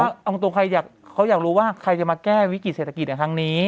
เอาตรงใครเขาอยากรู้ว่าใครจะมาแก้วิกฤติเศรษฐกิจในครั้งนี้